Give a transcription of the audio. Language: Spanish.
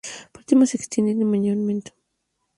Por último se extiende la llanura de piedemonte.